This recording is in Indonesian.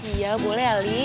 iya boleh ali